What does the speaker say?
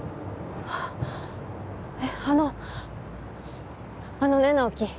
あのあのね直木